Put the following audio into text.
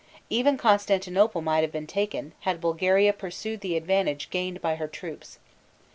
Even Constantinople might have been taken had Bulgaria pursued the advantage gained by her troops.